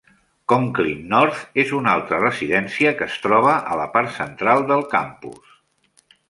Conklin North és una altra residència que es troba a la part central de campus.